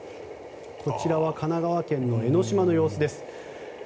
こちらは神奈川県の江の島の様子です。